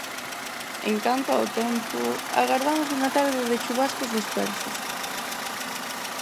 En canto ao tempo, agardamos unha tarde de chuvascos dispersos.